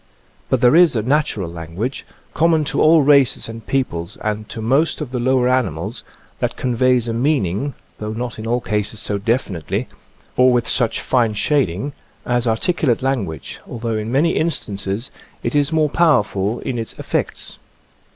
But there is a natural language, common to all races and peoples and to most of the lower animals, that conveys a meaning, though not in all cases so definitely, or with such fine shading, as articulate language, although in many instances it is more powerful in its effects.